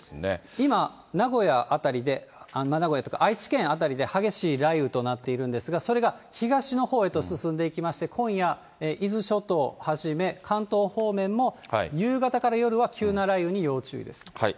今、名古屋辺りで、名古屋というか愛知県辺りで激しい雷雨となっているんですが、それが東のほうへと進んでいきまして、今夜、伊豆諸島はじめ関東方面も夕方から夜は急な雷雨に要注意です。